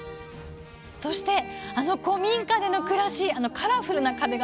そして、古民家での暮らしカラフルな壁が